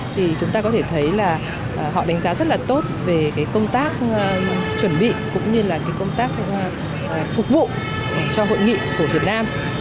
thì chúng ta có thể thấy là họ đánh giá rất là tốt về công tác chuẩn bị cũng như là công tác phục vụ cho hội nghị của việt nam